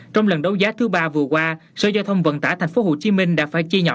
trong lần đấu giá thứ ba vừa qua sở giao thông vận tải tp hcm đã phải chia nhỏ